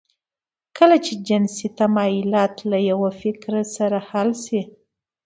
کله چې جنسي تمایلات له یوه فکر سره حل شي